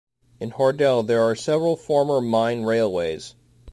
In Hordel there are several former mine railways.